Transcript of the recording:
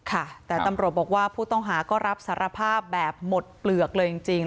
ค่ะแต่ตำรวจบอกว่าผู้ต้องหาก็รับสารภาพแบบหมดเปลือกเลยจริง